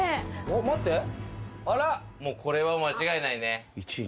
これは間違いないね。